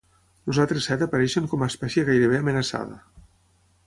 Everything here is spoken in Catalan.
Els altres set apareixen com a espècie Gairebé amenaçada.